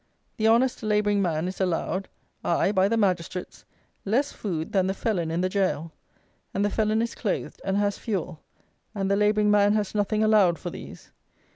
The honest labouring man is allowed (aye, by the magistrates) less food than the felon in the gaol; and the felon is clothed and has fuel; and the labouring man has nothing allowed for these.